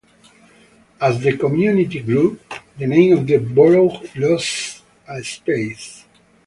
As the community grew, the name of the borough lost a space.